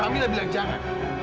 kalau kami udah bilang jangan